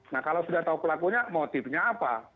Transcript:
nah kalau sudah tahu pelakunya motifnya apa